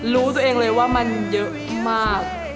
รู้ตัวเองเลยว่ามันเยอะมาก